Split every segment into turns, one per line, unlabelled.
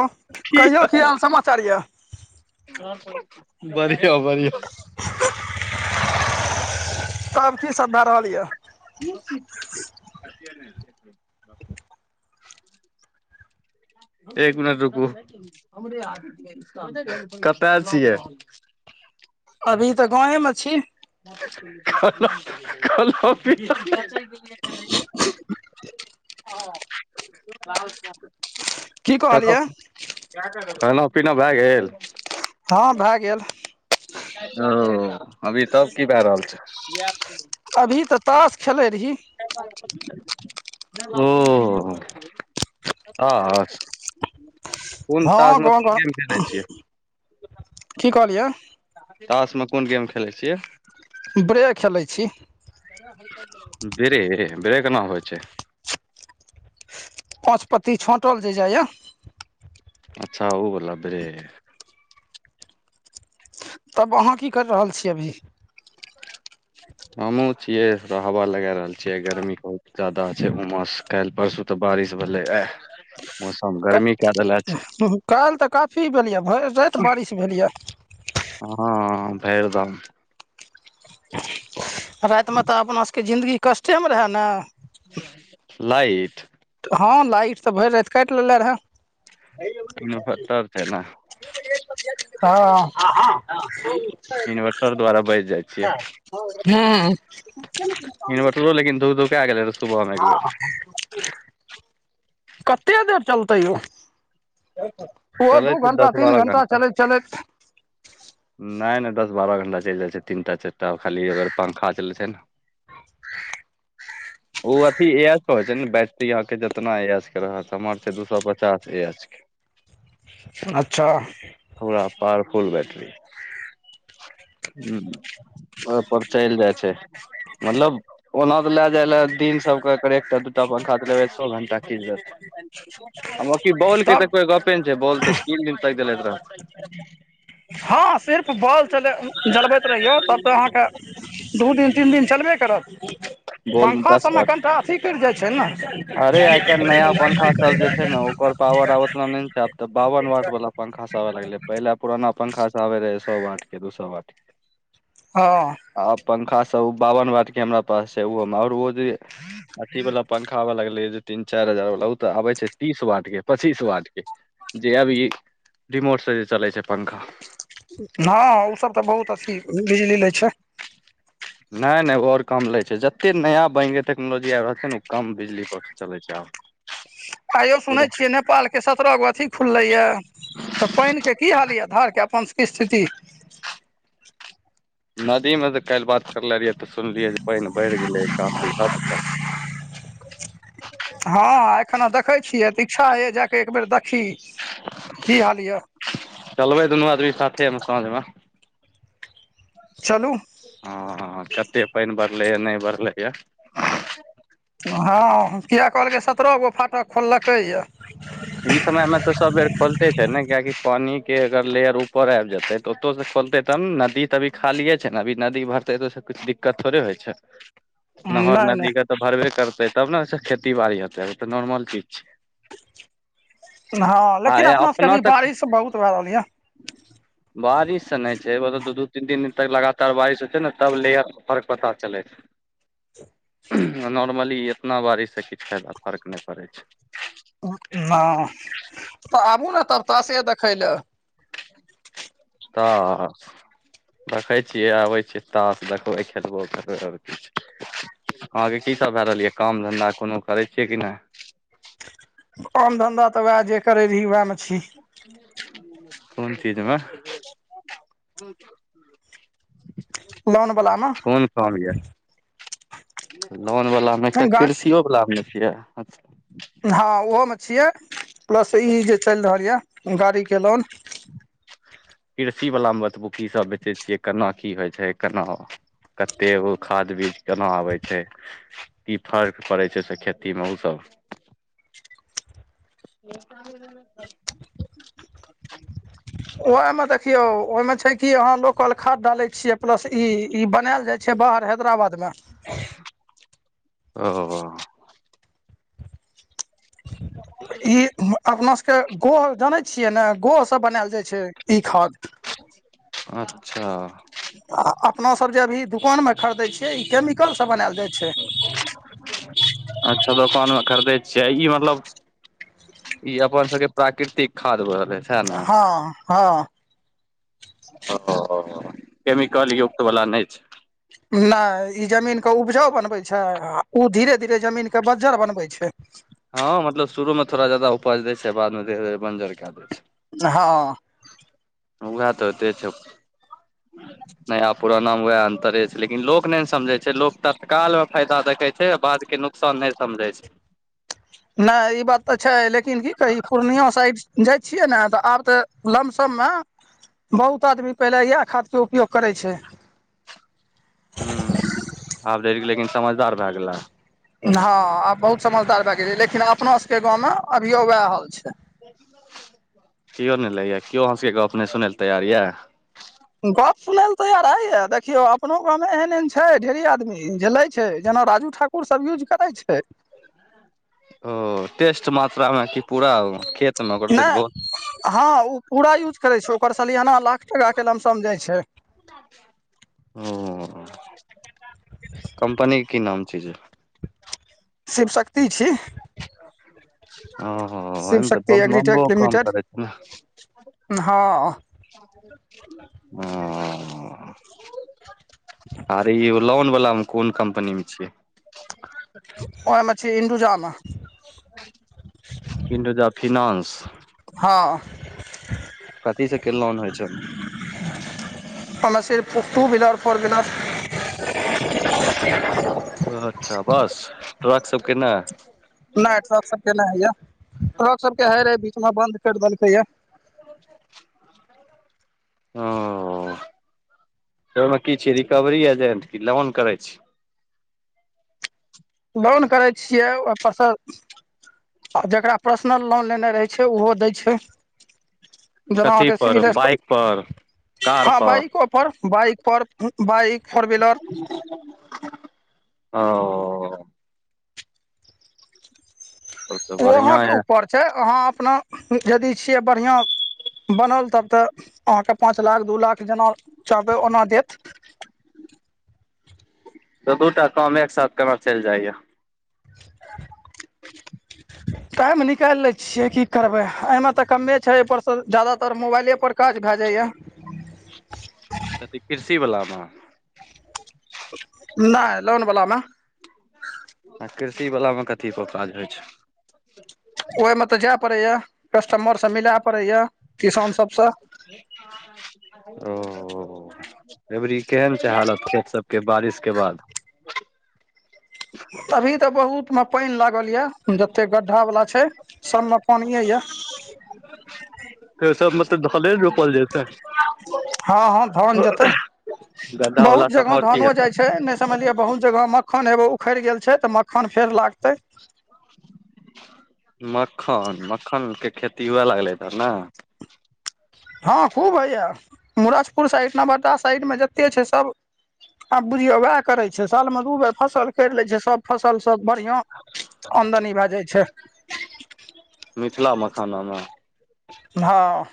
ओ कहियौ की हाल समाचार यऽ?
बढ़िया बढ़िया
तब कि सभ भए रहल यऽ?
[inaudible]
[inaudible]
एक मिनट रुकू। कतय छियै
अभी तऽ गामे मे छी।
कहलौं [unintelligible]
[inaudible]
[unintelligible]
की
कर
कहलियै
खाना पीना भए गेल?
हँ भए गेल।
ओ अभी तब की भए रहल छै?
अभी तऽ ताश खेलै रही
त [unintelligible] ओ ताश कोन
हँ
तासमे
गाँव
कोन
गाँव
गेम खेलै छियै?
की कहलियै
तासमे कोन गेम खेलै छियै?
ब्रे खेलै छी।
ब्रे ब्रे केना होइ छै?
पाँच पत्ती छाँटल जे जाइया।
अच्छा ओ बोला ब्रे
तब अहाँ की करि रहल छी अभी?
हमहुँ छियै, हवा लगा रहल छी। गर्मी बहुत बेसी छै, उमस सेहो बहुत छै काल्हि परसू सँ। तऽ बारिश भेलै, मौसम गर्मी कऽ देलक तऽ।
काल्हि तऽ काफी बारिश भेलै, भरि राति बारिश भेलै।
हँ फेर दाम [unintelligible]
रातिमे तऽ अपना सभके जिन्दगी कष्टेमे रहए न
लाइट
हँ लाइट तऽ भरि राइत काटि लेले रहय
इन्वर्टर छै ने
हँ
इन्वर्टर द्वारा बैचि जाइ छियै
हाँ
इन्वर्टरो लेकिन धूक धूकाय गेलै रहे सुबह मे एक बेेर
कते देर चलतै यौ ओहो
चलै
दू
छै
घंटा
दस
तीन
बारह
घंटा चलैत चलैत
नहि नहि दस बारह घण्टा चलि जाइ छै तीन टा चारि टा खाली अगर पन्खा चलै छै ने
[unintelligible]
ओ अथी ए एच के होइ छै ने बैटरी अहाँके जितना ए एच के रह हमर छै दू सए पच्चास ए एच के
अच्छा
हमरा पावरफुल बैटरी अय ओ पर चलि जाय छै मतलब ओना तऽ ले जाय ले दिन सबके क्रेक एकटा दूटा पंखाऽ छओ घंटा की चलतै की बॉल के
तब
तऽ कोई गपे ने छै बॉल तऽ तीन दिन तक देलैत रह
हँ सिर्फ बल जरबैत रहियौ तब तऽ अहाँके दू दिन तीन दिन चलबे करत
बॉल मे
पंखा
दस
सबमे
वाट
कनिटा अथी इ जे छै ने
अरे आइ काल्हि नया पंखा सब जे छै ने ओकर पावर आब ओतना नहि छै आब तऽ बाबन वाट वला पंखा से आबि गलै पहिले पुराना पंखा से आबे रहै सो वाट के दू सौ वाट
हाँ
आ पंखा सब बावन वाट के हमरा पास छै ओहो में आऔर अथी वाला पंखा खाबऽ लगलै जे तीन चारि हजार वाला ओ तऽ आबे छै तीस वार्ड के पच्चीस वार्ड के जे अभी रिमोट से जे चलै छै पंखा
हँ ओ सब तऽ बहुत अथी बिजली लै छै
नहि नहि आओर कम लै छै जतेक नया बन टेक्नोलॉजी आबि रहल छै ने ओ कम बिजली परर चलै छै आब
आइयौ
पूरा
सुनै छियै ने नेपालके सत्रह गो अथी खुललै यऽ तऽ पानिके की हाल यऽ धारके अपनके सब कें स्थिति
नदीमे त काल्हि बात करले रहियै तऽ सुनलियै जे पानि बढ़ि गेलै काफी हद तक
हँ एखन देखै छियै तऽ इच्छा होइए जाकऽ एक बेेर देखी की हाल यऽ
चलबै दुनू आदमी साथेमे साँझमे
चलू
हँ कते पानि बढ़लैए नहि बढ़लै यऽ
हँ किया कहलकै सत्ररहो गो फाटक खोललकै या
ई समय में ते सब बेर खोलते छै ने कयिकि पानी के अगर लेयर ऊपर आब जेते ओतोसँ खोलतै तब नदी तऽ अी खालिये छै ने अभी नदी भरतै तसँ किछु दिक्कत थोड़े होइ छै नहर
नहि नहि
नदी के तऽ भरबे करतै तब ने खेती बाड़ी हेतै तऽ नोर्मल चीज छै
हँ लेकिन
छै आ
अपना सबके अभी
से
बारिश बहुत भए रहल य
बारिशसँ नहि छै मतलब दू दू तीन तीन दिन तक लगातार बारिश होत छै ने तब लेयर फर्क पता चलै छै
[inaudible]
नॉर्मली इतना बारीसँ किछ फायदा फर्क नहि पड़ै छै
हँ तऽ आबू ने तब तासे देखय लए
तऽ देखै छियै आबै छियै तास देखबै खेलबो करबै आओर अहाँके की सब भए रहल यै काम धन्धा कोनो करै छियै कि नहि
कम धन्धा तऽ उएह जे करैत रही उएहमे छी
कोन चीजमे
लोन वला मे
कोन काम या लोन बला मे एकटा कृषियो वला मे छियै
हँ ओहोमे छियै प्लस ई जे चलि रहल यऽ गाड़ीके लोन
कृषि वला मे बतबू की सब बेचै छियै केना की होइ छै केना कतेगो खाद बीज केना आबै छै की फर्क पड़ै छै से खेतीमे ओसभ
[unintelligible]
एक
उह में देखियो ओहि में छै की यहां लोकल खाद डाले छीये प्लस ई इ बनायल जाय छै बाहर हैदराबादमे
ओ
ई अपना सबके गो जानै छियै ने गो सब बनायल जाइ छै ई खाद
अच्छा
आ अपनासभ जे अभी दुकानमे खरीदै छियै ई केमिकलसभ बनायल जाइ छै
अच्छा दोकानमे खरीदै छियै ई मतलब ई अपन सबके प्राकृतिक खाद भऽ गेलेहे
हँ हँ
ओ केमिकल युक्त वाला नहि छै
नहि ई जमीनक के उपजाउ बनबै छै आ ओ धीरे धीरे जमीन के बज्जर बनबै छै
हँ मतलब शुरूमे थोड़ा जादा उपज दै छै बादमे धीरे धीरे बंजर कए दै छै
हँ
उगा तऽ त छै
अ [inaudible]
नया पुराना मे वएह अन्तरे छै लेकिन लोक नहि ने समझै छै लोक तत्काल मे फायदा देखै छै बाद के नौ सब नहि समझे छै
नहि ई बात तऽ छै लेकिन की कही पूर्णिय साइड जाइ छियै ने तऽ आब तऽ लमसममे बहुत आदमी पहिले इएह खादके उपयोग करै छै
हू आब ज ऽ गेल लेकिन समझदार भए गेलै
हँ आ बहुत समझदार भए गेल लेकिन अपना सबके गाँव में अभियो वएह हाल छै
केओ नहि लै या केओ अहाँ सबके गपने सुनै लए तैयार यए
गप सुनय लऽ तैयार हय या देखियौ अपनो गाँवमे एहन एहन छै ढेरी आदमी झ ले छै जेना राजू ठाकुर ओ सब यूज करै छै
ओ टेस्ट मात्रा मे की पूरा खेत मे ओकर तऽ बहुत
नहि हँ ओ पूरा यूज करै छै ओकर सलियाना लाख टकाके लमसम जाइ छै
ओ कम्पनी की नाम छै जे
शिव शक्ति छी
ओ
शिव
एमे तऽ
शक्ति
बमबम काम करै छै ने
हाँ
हँ - अरे ई लोन वला मे कोन कम्पनी में छियै
ओमेछ इंडूजामे
इंडजा फिनान्स
हँ
कथी सब के लोन होइ छै
pharmacy two wheeler four wheeler
अच्छा बस ट्रक सबके ने
नहि ट्रक सब के नहि हय या ट्रक सब के हे रहे बीच मे बंद कर देलकै ये
हाँ ओ ओहिमे की छीयै रिकवरी एजेंट की ऽ लोन करै छी
लोन करै छियै ओहिपरसँ आ जकरा पर्सनल लोन लेने रहै छै उहो दै छै जेना
कथी
अहाँके
पर
सिविल
बाइक पर
हँ बाइको पर बाइक पर बाइक फोर विलर
ओ तब तऽ
ओ
बढ़ियां
अहाँके
ये
ऊपर छै अहाँ अपना यदि छियै बढ़िआँ बनल तब तऽ अहाँके पाँच लाख दू लाख जेना चाहबै ओना देत
तऽ दूटा काम एक साथ केना चलि जाइया
[unintelligible] टाइम निकाल लै छियै की करबै एहिमे तऽ कमे छै एहिपरसँ जादातर मोबाइलेपर काज भए जाइए
कथी कृषि वलामे
नहि लोन बलामे
आ कृषि वलामे कथीपर काज होइ छै
ओहिमे तऽ जाय पड़ै या कस्टमर सब मिला पड़ै या किसान सबसँ
[unintelligible] ओ अबरी केहन छै हालत खेत सबके बारिश के बाद
अभी ते बहुत मे पानि लागल ये जते गड्ढा वाला छै सबमे पानिए यै
तऽ सब मे तऽ धाने रोपल जेतै
हँ हँ धान जेतै
गढ़ा वला
बहुत
सब
जगह
मरति
धानो जाइ छै नहि समझलियै बहुत जगह मखन एगो उखड़ि गेल छै तऽ मखन फेर लागतै
मखन मखन के खेती हुए लागलै इधर ने
हँ खूब होइए मुरजपुर साइड नवादा साइडमे जतेक छै सब आब बुझियौ वएह करे छै साल में दू बेर फसल कर ले छै सब फसल सब बढ़िया आमदनी भए जाइ छै
मिथिला मखाना मे
हँ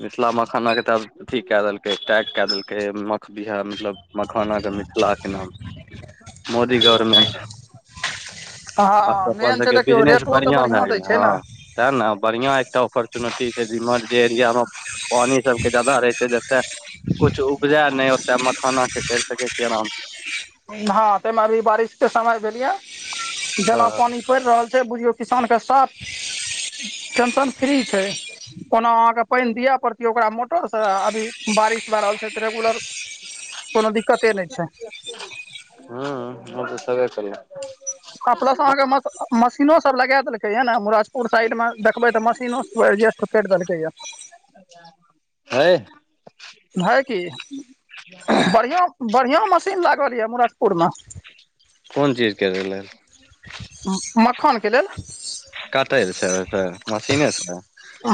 मिथिला मखाना के तब अथी कऽ देलकै टैग क देलकै मख बिहा मतलब मखाना के मिथिला के नाम सँ मोदी गवर्मेंट आब तऽ
हँ
अपन
मेन छै
सबके
देखियौ
बिजनेस
रेटो तऽ
बढ़िआं भए
बढ़िया दै
गेल
छै
हँ
ने
ते ने बढ़िया एकटा ऑपर्चुनिटी छै रिमोट जे एरिया मे पानि सबके जादा रहे छै तऽ कुछ उपजा नहि ओत मखाना के कर सकै छियै आराम
हँ ताहिमे अभी बारिश के समय भेल य जेना
हँ
पानि पड़ि रहल छै बुझियऔ किसानके साफ टेन्शन फ्री छै कोना अहाँके पानि दिअ पड़तिय ओकरा मोटर से अभी बारिश भए रहल छै तऽ रेगुलर कोनो दिक्कते नहि छै
हूँ उ तऽ छबे करय
ह प्लस अहाँके मश मशीनो सब लगा देलकै य ने मुराजपुर साइड मे देखबै त मशीनो सब एडजस्ट करि देलकैयै
[unintelligible] हय
हए की बढ़िआँ बढ़िआँ मशीन लागल यै मुराजपुरमे
कोन चीज करय लेल
मखानके लेल
काटे ल छै ओते मशीने सँ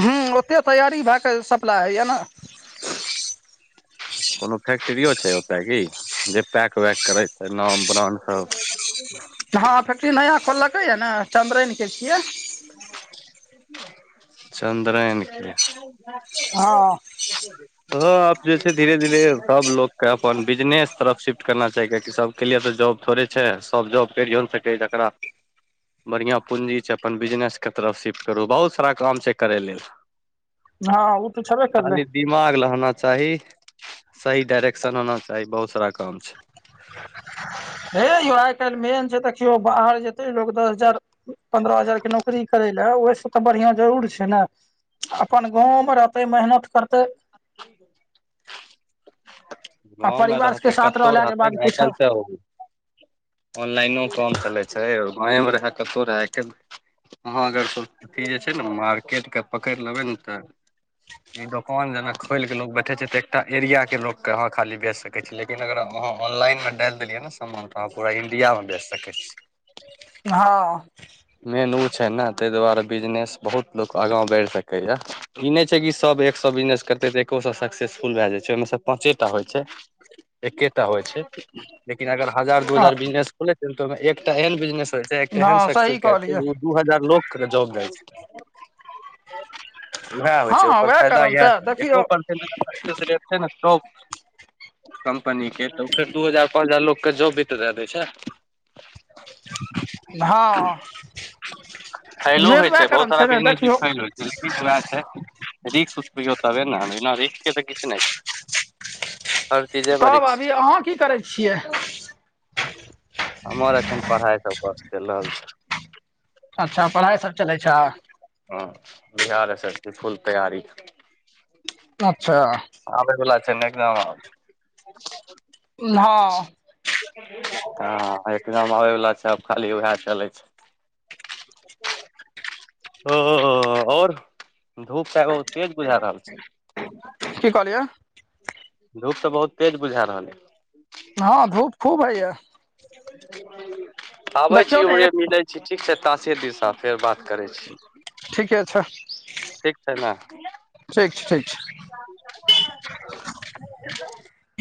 ह ओते तैयारी भए कऽ सप्लाई होइए ने
कोनो फैक्ट्रियो छै ओतय की जे पैक वैक करैत छै नाम ब्राण्ड सब [unintelligible]
हँ फैक्ट्री नया खोललकै य न चन्द्रेन के छियै
चन्द्रेन के
ह
ह आब जे छै धीरे धीरे सबलोग के अपन बिजनेस तरफ शिफ्ट करना चाही कियाकि सब के लिए त जॉब थोड़े छै सब जॉब करियो ने त जकरा बढ़िया पूंजी छै अपन बिजनेस के तरफ शिफ्ट करू बहुत सारा काम छै करै लेल
हँ ओ त छबे करलै
खाली दिमाग लहना चाही सही डायरेक्शन होना चाही बहुत सारा काम छै
हे यौ आइ काल्हि मेन छै देखियौ बाहर जेतै लोक दस हजार पन्द्रह हजार के नौकरी करै लए ओहिसँ तऽ बढ़िआं जरूर छै ने अपन गाँवमे रहतै मेहनत करतै
क [inaudible]
आ
गाँवमे
परिवार के
रहतै
साथ
कतहु
रहलाके
रहतै
बाद कुछ
आइकल त ऑनलाइनो काम चलै छै गांवे मे रहे कतहु रहै अहाँ अगर अथी जे छै ने मार्केट के पकड़ि लेबै ने तऽ ई दुकान जेना खोल के लोग बैठे छै ते एकटा एरिया के लोग कहाँ खाली बेच सकै छियै लेकिन अगर अहाँ ऑनलाइनमे डालि देलियै ने समान तऽ अहाँ पूरा इण्डिया में बेच सकै छीयै
हँ
मेन ओ छै ने तइ दुआरे बिजनेस बहुत लोक आगाँ बढ़ि सकैए ई नइ छै कि सब एक सौ बिजनेस करतै तऽ एको सौ सक्सेसफुल भए जाइ छै ओइमेसे पाँचे टा होइ छै एकेटा होइ छै लेकिन अगर हजार दू हजार बिजनेस खोेले एकटा एहन बिजनेस होइ छै एकटा एहन
हँ सही
सक्सेस कए छै
कहलियै
ओ दू हजार लोक के जॉब जाइ छै उएह होइ छै
हँ
ओकर
उएह
फायदा
करम
इएह
तऽ
छै
देखियौ
एको परसेंटे रेट छै ने जॉब के कम्पनी के तऽ फेर दू हजार पाँच हजार लोक के जॉब भी त दै दय छै
ह [inaudible] हँ मेन वएह कारण छै ने देखियौ
किछ वएह छै रिस्क उठबियौ तबे ने बिना रिस्क के तऽ किछु नइ छै हर चीजे मे
तब
रिक्स
अभी अहाँ की करै छियै
हमर एखन पढ़ाइ सब चलि रहल
अच्छा पढ़ाइ सब चलै छै
हँ Bihar S S B full तैयारी
अच्छा
आबै बला छै ने एग्जाम
हँ
हँ एग्जाम आबै वला छै आब खाली उएह चलै छै ओ आओर धूप त आइ तेज बुझा रहल छै
की कहलियै
धूप तऽ बहुत तेज बुझा रहलय
हँ धूप खूब होइया
आबै छी
देखियौ ने
उम्हरे
एक
मिलै छी ठीक छै तासे दिसन फेर बात करै छी
ठीके छै
ठीक छै न
ठीक छै ठीक छै
[inaudible]